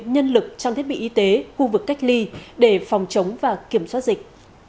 nhân lực trang thiết bị y tế khu vực cách ly để phòng chống và kiểm soát dịch